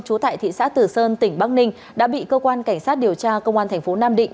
trú tại thị xã tử sơn tỉnh bắc ninh đã bị cơ quan cảnh sát điều tra công an thành phố nam định